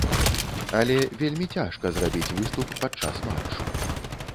Але вельмі цяжка зрабіць выступ падчас матчу.